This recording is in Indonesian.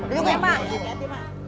duduk aja pak